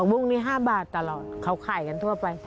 มุ่งนี้๕บาทตลอดเขาขายกันทั่วไป